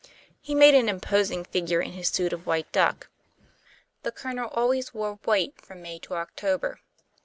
He made an imposing figure in his suit of white duck. The Colonel always wore white from May till October.